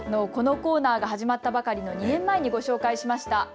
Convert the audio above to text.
このコーナーが始まったばかりの２年前にご紹介しました。